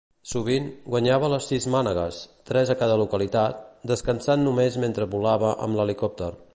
Sovint, guanyava les sis mànegues -tres a cada localitat-, descansant només mentre volava amb l'helicòpter.